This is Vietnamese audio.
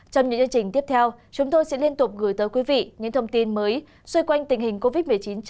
trong những chương trình tiếp theo chúng tôi sẽ liên tục gửi tới quý vị những thông tin mới xoay quanh tình hình covid một mươi chín trong nước và thế giới